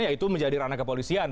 ya itu menjadi ranah kepolisian